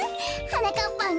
はなかっぱん。